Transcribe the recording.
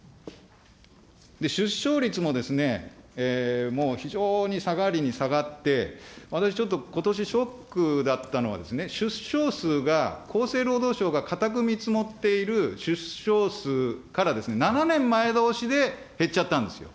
出生率もですね、もう非常に下がりに下がって、私、ちょっとことしショックだったのは、出生数が厚生労働省が堅く見積もっている出生数から７年前倒しで減っちゃったんですよ。